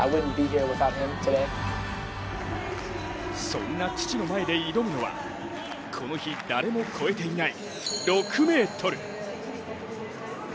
そんな父の前で挑むのはこの日、誰も越えていない６ｍ。